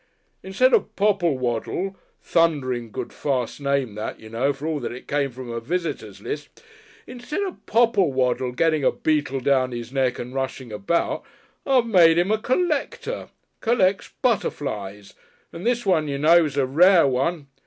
Instead of Popplewaddle thundering good farce name that, you know; for all that it came from a Visitors' List instead of Popplewaddle getting a beetle down his neck and rushing about, I've made him a collector collects butterflies, and this one you know's a rare one.